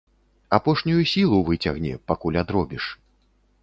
Апошнюю сілу выцягне, пакуль адробіш.